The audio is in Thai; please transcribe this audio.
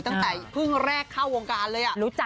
ตั้งแต่เพิ่งแรกเข้าวงการเลย